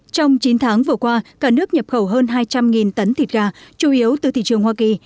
trong chín tháng vừa qua cả nước nhập khẩu hơn hai trăm linh tấn thịt gà chủ yếu từ thị trường hoa kỳ